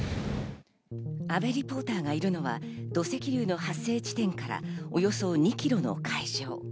阿部リポーターがいるのは土石流の発生地点からおよそ２ｋｍの海上。